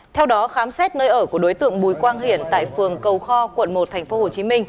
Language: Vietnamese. theo đó khám xét nơi ở của đối tượng bùi quang hiển tại phường cầu kho quận một tp hcm